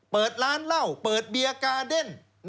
เปิดร้านเหล้าเปิดเบียร์กาเด้น